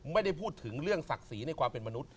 ไม่ได้พูดถึงเรื่องศักดิ์ศรีในความเป็นมนุษย